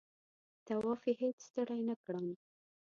طواف یې هېڅ ستړی نه کړم.